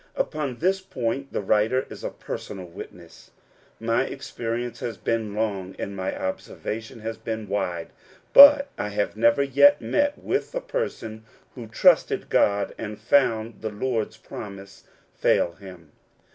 Upon this point the writer is a personal witness. My experience has been long, and my observation has been wide ; but I have never yet met with a person who trusted God, and found the Lord's promise fail him.